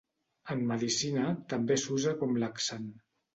En medicina també s'usa com laxant.